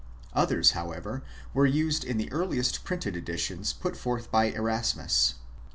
Others, however, were used in the earliest printed editions put forth by Erasmus.